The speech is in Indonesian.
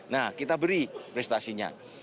nah kita beri prestasinya